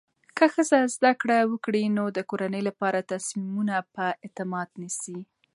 که ښځه زده کړه وکړي، نو د کورنۍ لپاره تصمیمونه په اعتماد نیسي.